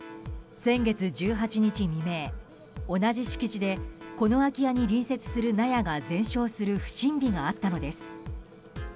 先月１８日未明、同じ敷地でこの空き家に隣接する納屋が全焼する不審火があったのです。